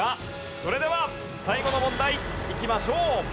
それでは最後の問題いきましょう。